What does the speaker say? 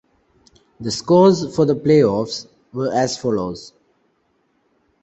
The scores for the playoffs were as follows.